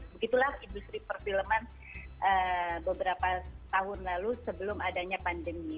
begitulah industri perfilman beberapa tahun lalu sebelum adanya pandemi